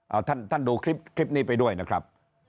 เอาท่านดูคลิปนี้ไปด้วยนะครับ